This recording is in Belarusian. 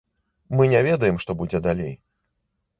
Мы не ведаем, што будзе далей.